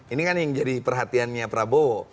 ini kan yang jadi perhatiannya prabowo